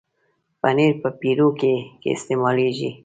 پنېر په پیروکي کې استعمالېږي.